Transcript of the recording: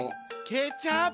ケチャップか！